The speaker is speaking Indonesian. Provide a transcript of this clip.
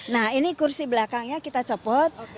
nah ini kursi belakangnya kita copot